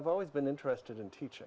tetaplah bersama insight